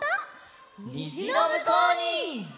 「にじのむこうに」！